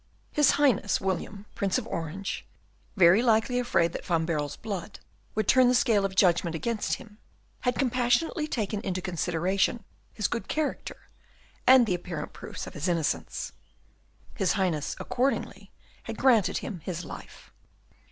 His Highness, William, Prince of Orange, very likely afraid that Van Baerle's blood would turn the scale of judgment against him, had compassionately taken into consideration his good character, and the apparent proofs of his innocence. His Highness, accordingly, had granted him his life.